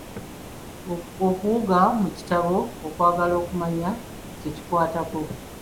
Okuwuga mu kitabo okwagala okumanya kye kikwatako.